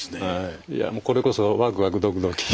いやもうこれこそワクワクドキドキ。